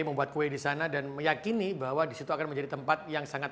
membuat kue di sana dan meyakini bahwa di situ akan menjadi tempat yang sangat